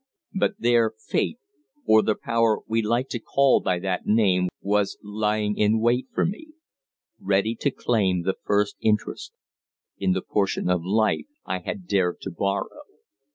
But there Fate or the power we like to call by that name was lying in wait for me, ready to claim the first interest in the portion of life I had dared to borrow."